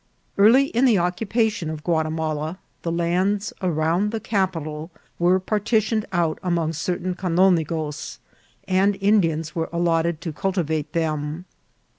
Early in the occupation of Guatimala, the lands around the capital were parti tioned out among certain canonigos, and Indians were allotted to cultivate them.